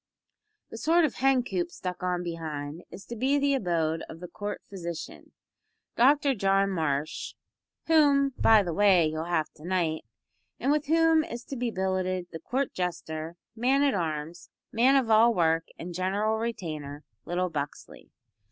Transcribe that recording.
The sort of hen coop stuck on behind is to be the abode of the Court Physician, Dr John Marsh whom, by the way, you'll have to knight and with whom is to be billeted the Court Jester, Man at Arms, Man of all work and general retainer, little Buxley.